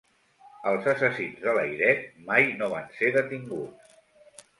Els assassins de Layret mai no van ser detinguts.